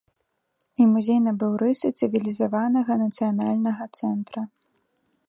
І музей набыў рысы цывілізаванага нацыянальнага цэнтра.